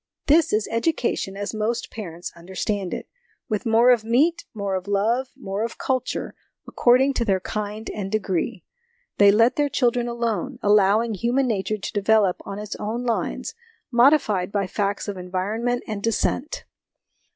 This is education as most parents understand it, with more of meat, more of love, more of culture, according to their kind and degree. They let their children alone, allowing human nature to develop on its own lines, modified by facts of environment and descent.